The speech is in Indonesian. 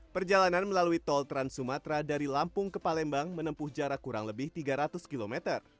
perjalanan melalui tol trans sumatra dari lampung ke palembang menempuh jarak kurang lebih tiga ratus km